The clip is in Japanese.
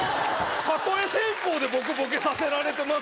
例え先行で僕ボケさせられてます